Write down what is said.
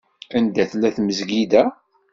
Anda tella tmezgida?